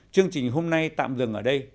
chương trình hôm nay tạm dừng ở đây